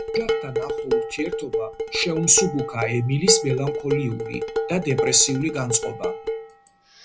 ოჯახთან ახლო ურთიერთობამ შეუმსუბუქა ემილის მელანქოლიური და დეპრესიული განწყობა.